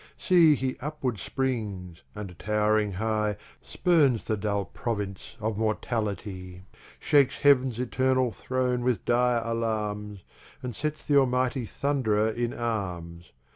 see, he upward Springs, and Tow'ring high, Spurns the dull Province of Mortality; Shakes Heav'ns Eternal Throne with dire Alarms, And sets the Almighty Thunderer in Arms.